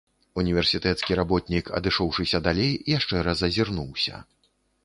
Універсітэцкі работнік, адышоўшыся далей, яшчэ раз азірнуўся.